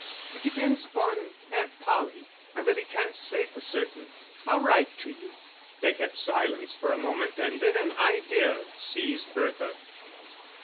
"It depends upon Aunt Polly; I really can't say for certain. I'll write to you." They kept silence for a moment and then an idea seized Bertha.